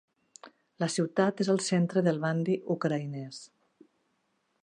La ciutat és el centre del bandy ucraïnès.